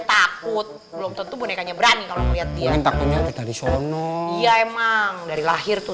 takut belum tentu bonekanya berani kalau lihat dia takutnya dari sono ya emang dari lahir tuh